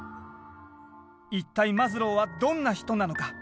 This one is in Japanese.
一体マズローはどんな人なのか？